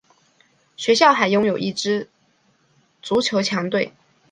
学校还拥有一支足球强队。